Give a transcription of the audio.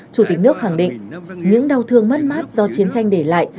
chủ tịch nước khẳng định những đau thương mất mát do chiến tranh để lại